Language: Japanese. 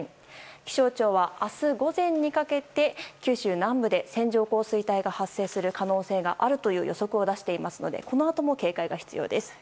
気象庁は明日午前にかけて九州南部で線状降水帯が発生する可能性があるという予測を出していますのでこのあとも警戒が必要です。